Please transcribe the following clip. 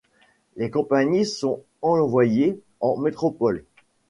Les compagnies sont envoyées en métropole.